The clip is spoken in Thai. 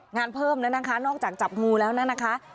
งานเพิ่มแล้วนะคะนอกจากจับงูแล้วนะคะ